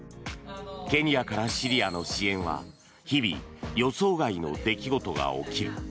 ケニアからシリアの支援は日々、予想外の出来事が起きる。